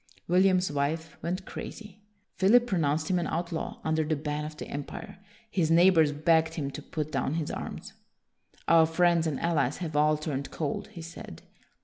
William's wife went crazy. Philip pro nounced him an outlaw, under the ban of the empire. His neighbors begged him to put down his arms. " Our friends WILLIAM THE SILENT 187 and allies have all turned cold," he said.